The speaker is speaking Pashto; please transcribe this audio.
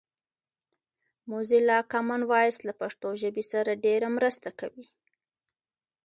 موزیلا کامن وایس له پښتو ژبې سره ډېره مرسته کوي